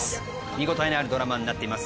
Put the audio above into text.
見応えのあるドラマになっています